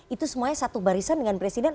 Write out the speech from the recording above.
itu semuanya satu barisan dengan presiden